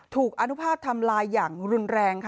อนุภาพทำลายอย่างรุนแรงค่ะ